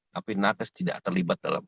tapi nakes tidak terlibat dalam